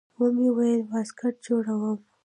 ومې ويل واسکټ جوړوم.